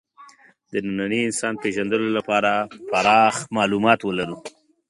د ننني انسان پېژندلو لپاره پراخ معلومات ولرو.